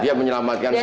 dia menyelamatkan semua